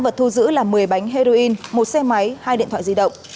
bốn bánh heroin một xe máy hai điện thoại di động